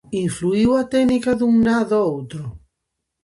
Influíu a técnica dun na do outro?